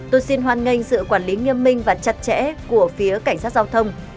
tôi xin hoàn nghênh sự quản lý nghiêm minh và chặt chẽ của phía cảnh sát giao thông